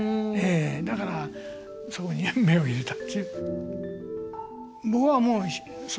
だからそこに目を入れたっていう。